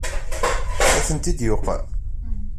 Ad tent-id-yuqem?